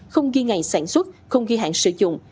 không ghi ngày sản xuất không ghi hạn sử dụng